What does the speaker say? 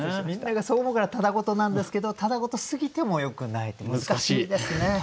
みんながそう思うからただごとなんですけどただごとすぎてもよくないって難しいですね。